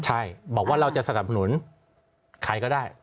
ใช่บอกว่าเราจะสนับสนุนใครก็ได้